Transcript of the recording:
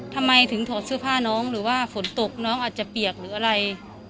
ทำไมถึงถอดเสื้อผ้าน้องหรือว่าฝนตกน้องอาจจะเปียกหรืออะไร